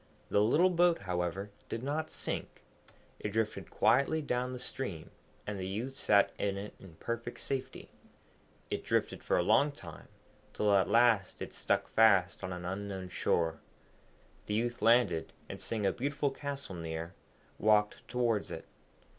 The little boat, however, did not sink, it drifted quietly down the stream, and the youth sat in it in perfect safety. It drifted for a long time, till at last it stuck fast on an unknown shore. The youth landed, and seeing a beautiful castle near, walked towards it.